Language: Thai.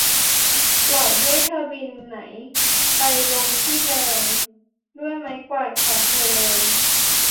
ปล่อยให้เธอบินไหนไปในลมที่แรงด้วยไม้กวาดขอเธอเลย !